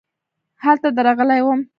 هلته درغلې وم .